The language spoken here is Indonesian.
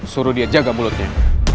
suruh dia jaga bulutnya